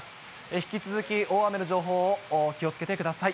引き続き、大雨の情報を気をつけてください。